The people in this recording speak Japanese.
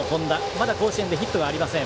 まだ甲子園でヒットがありません。